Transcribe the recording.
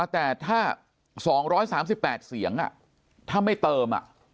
แต่ถ้า๒๓๘เสียงถ้าไม่เติม